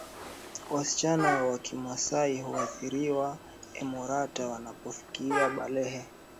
Wasichana wa kimasai hutahiriwa emorata wanapofikia balehe